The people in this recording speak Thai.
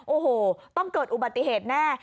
โอ้โหต้องเกิดอุบัติเหตุแน่